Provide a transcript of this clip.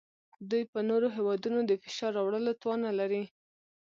دوی په نورو هیوادونو د فشار راوړلو توان نلري